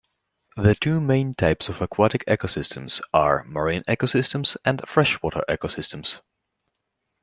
The two main types of aquatic ecosystems are marine ecosystems and freshwater ecosystems.